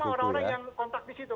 orang orang yang kontak di situ